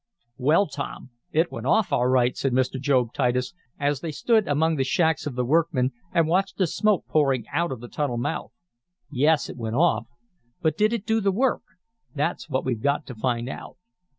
"Well, Tom, it went off all right," said Mr. Job Titus, as they stood among the shacks of the workmen and watched the smoke pouring out of the tunnel mouth. "Yes, it went off. But did it do the work? That's what we've got to find out."